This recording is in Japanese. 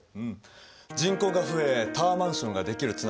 人口が増えタワーマンションができる綱島。